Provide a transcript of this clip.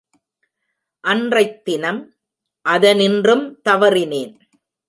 அன்றைத் தினம் அதனின்றும் தவறினேன்.